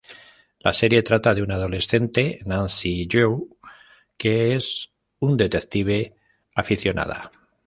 La serie trata de una adolescente, Nancy Drew, que es un detective aficionada.